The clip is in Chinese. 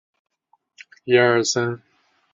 本剧知名小笼包专卖店鼎泰丰做为故事题材。